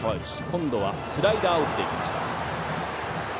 今度はスライダーを打っていきました。